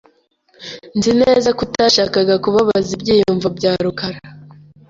Nzi neza ko utashakaga kubabaza ibyiyumvo bya rukara .